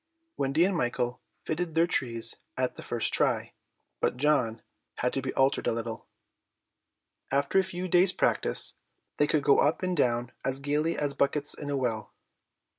Wendy and Michael fitted their trees at the first try, but John had to be altered a little. After a few days' practice they could go up and down as gaily as buckets in a well.